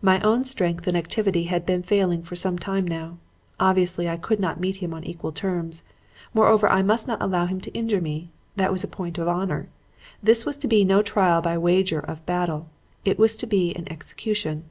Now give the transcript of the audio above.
My own strength and activity had been failing for some time now. Obviously I could not meet him on equal terms. Moreover, I must not allow him to injure me. That was a point of honor. This was to be no trial by wager of battle. It was to be an execution.